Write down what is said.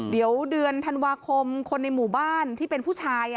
เดี๋ยวเดือนธันวาคมคนในหมู่บ้านที่เป็นผู้ชาย